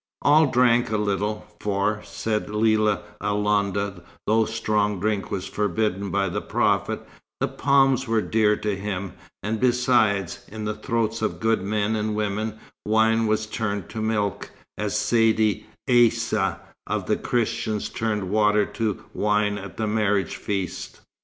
All drank a little, for, said Lella Alonda, though strong drink was forbidden by the Prophet, the palms were dear to him, and besides, in the throats of good men and women, wine was turned to milk, as Sidi Aissa of the Christians turned water to wine at the marriage feast.